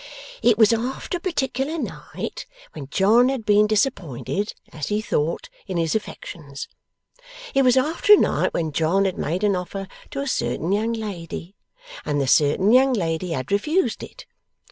'It was after a particular night when John had been disappointed as he thought in his affections. It was after a night when John had made an offer to a certain young lady, and the certain young lady had refused it.